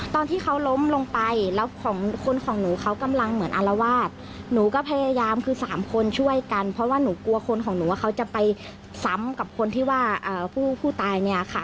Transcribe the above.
ตอนที่เขาล้มลงไปแล้วของคนของหนูเขากำลังเหมือนอารวาสหนูก็พยายามคือสามคนช่วยกันเพราะว่าหนูกลัวคนของหนูว่าเขาจะไปซ้ำกับคนที่ว่าผู้ตายเนี่ยค่ะ